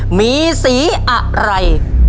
มีสีอะไร